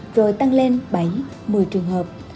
rồi tăng lên bảy một mươi trường hợp